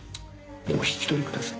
お引き取りください。